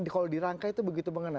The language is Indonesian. kalau di rangka itu begitu mengena